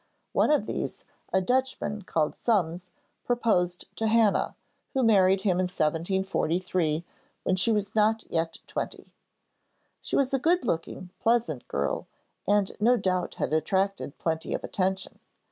One of these, a Dutchman called Summs, proposed to Hannah, who married him in 1743, when she was not yet twenty. She was a good looking, pleasant girl, and no doubt had attracted plenty of attention.